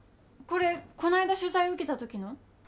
これこないだ取材受けた時の？